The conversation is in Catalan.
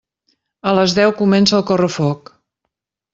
A les deu comença el correfoc.